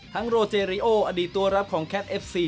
โรเจริโออดีตตัวรับของแคทเอฟซี